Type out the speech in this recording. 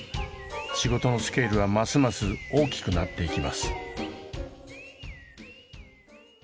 仕事のスケールはますます大きくなっていきます。